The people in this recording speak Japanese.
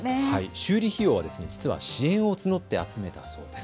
修理費用、実は支援を募って集めたそうです。